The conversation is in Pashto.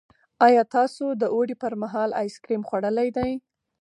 ایا تاسو د اوړي پر مهال آیس کریم خوړلي دي؟